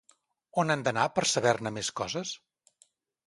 On han d'anar per saber-ne més coses?